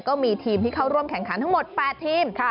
ก็มีทีมที่เข้าร่วมแข่งขันทั้งหมด๘ทีม